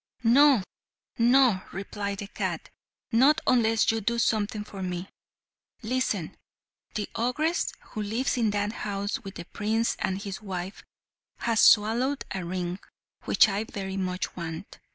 "No, no," replied the cat. "Not unless you do something for me. Listen. The ogress, who lives in that house with the prince and his wife, has swallowed a ring, which I very much want.